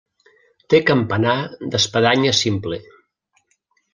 Té campanar d'espadanya simple.